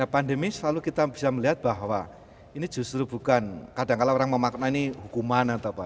pandemi selalu kita bisa melihat bahwa ini justru bukan kadang kadang orang mau mengaknani hukuman atau apa